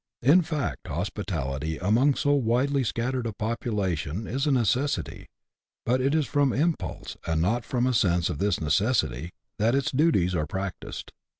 In fact hospitality among so widely scattered a population is a necessity ; but it is from impulse, and not from a sense of this necessity, that its duties are practised.